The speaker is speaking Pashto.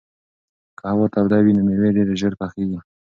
که هوا توده وي نو مېوې ډېرې ژر پخېږي.